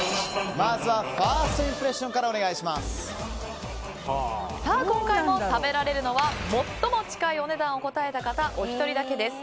まずはファーストインプレッションから今回も食べられるのは最も近いお値段を答えた方１人だけです。